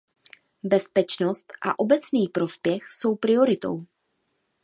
Bezpečnost a obecný prospěch jsou prioritou.